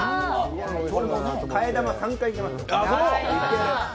替え玉３回いけますよ。